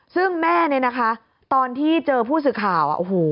ซึ่งแม่เนี่ยนะคะตอนที่เจอผู้สื่อข่าวโอ้โห